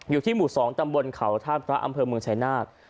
อยู่ที่หมู่๒ตำบลเขาท่าพระอำเภอเมืองชายนาฏ